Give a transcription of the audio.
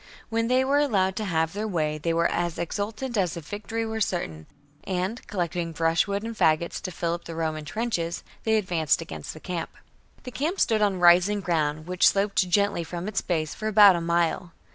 When they were allowed to have their way they were as exultant as if victory were certain, and, collecting brushwood and faggots to fill up the Roman trenches, they advanced against the camp. 19. The camp stood on rising ground, which sloped gently from its base for about a mile.